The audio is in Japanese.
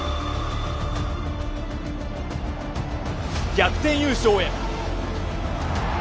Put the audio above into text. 逆転優勝へ。